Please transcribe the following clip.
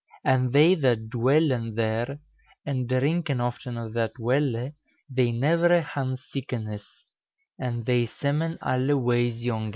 And thei that duellen there and drynken often of that welle, thei nevere han sykenesse, and thei semen alle weys yonge.